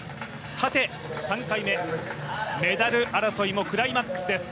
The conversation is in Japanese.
さて、３回目メダル争いもクライマックスです。